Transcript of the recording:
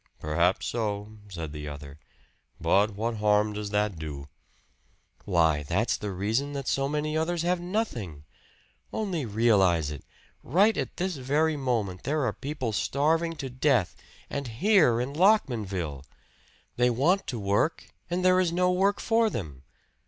"Perhaps so," said the other. "But what harm does that do?" "Why that's the reason that so many others have nothing! Only realize it right at this very moment there are people starving to death and here in Lockmanville! They want to work, and there is no work for them!